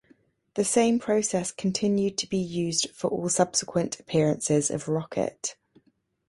The same process continued to be used for all subsequent appearances of Rocket.